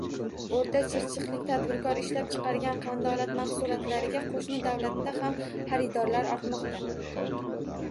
O‘rta Chirchiqlik tadbirkor ishlab chiqargan qandolat mahsulotlariga qo‘shni davlatda ham xaridorlar ortmoqda